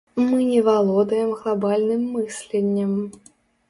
Мы не валодаем глабальным мысленнем.